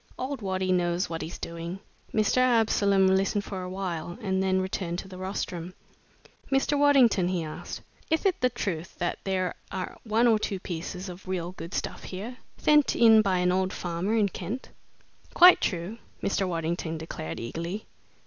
"Old Waddy knows what he's doing!" Mr. Absolom listened for a while and then returned to the rostrum. "Mr. Waddington," he asked, "ith it the truth that there are one or two pieces of real good stuff here, thent in by an old farmer in Kent?" "Quite true," Mr. Waddington declared, eagerly.